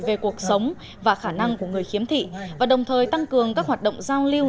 về cuộc sống và khả năng của người khiếm thị và đồng thời tăng cường các hoạt động giao lưu